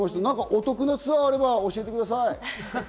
お得なツアーがあれば教えてください。